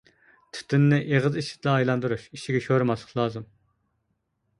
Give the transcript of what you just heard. تۈتۈننى ئېغىز ئىچىدىلا ئايلاندۇرۇش، ئىچىگە شورىماسلىق لازىم.